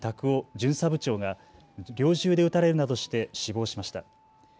巡査部長が猟銃で撃たれるなどして死亡しました。